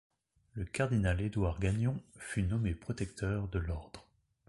Le cardinal Édouard Gagnon fut nommé protecteur de l'ordre.